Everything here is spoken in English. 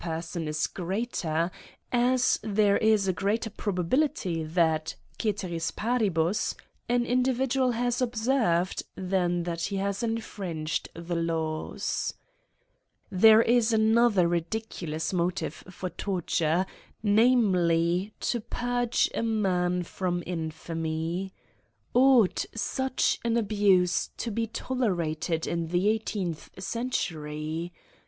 ^. person is greater, as there is a greater probability that, ceteris paribus y an individual hath observed, than that he hath infringed the laws. There is another ridiculous motive for torture, namely, to purge a man from infamy. Ought such an abuse to be tolerated in the eighteenth century